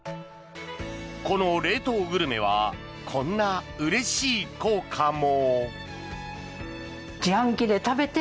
この冷凍グルメはこんなうれしい効果も。